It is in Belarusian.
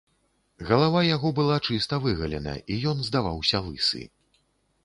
Галава яго была чыста выгалена, і ён здаваўся лысы.